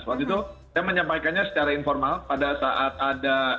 waktu itu saya menyampaikannya secara informal pada saat ada event di bsd